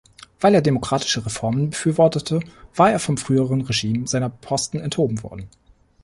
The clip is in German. Weil er demokratische Reformen befürwortete, war er vom früheren Regime seiner Posten enthoben worden.